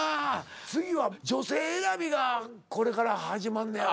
次は女性選びがこれから始まんねやろ？